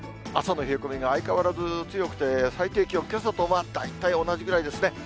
朝の冷え込みが相変わらず強くて、最低気温、けさと大体同じぐらいですね。